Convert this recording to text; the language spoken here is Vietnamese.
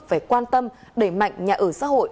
phải quan tâm đẩy mạnh nhà ở xã hội